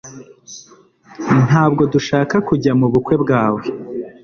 Ntabwo dushaka kujya mubukwe bwawe